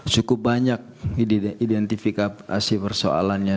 cukup banyak identifikasi persoalannya